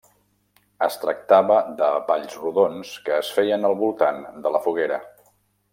Es tractava de balls rodons que es feien al voltant de la foguera.